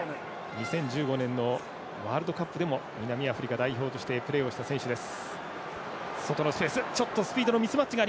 ２０１５年のワールドカップでも南アフリカ代表としてプレーをした選手です。